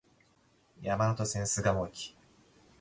山手線、巣鴨駅